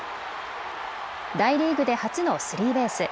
大リーグで初のスリーベース。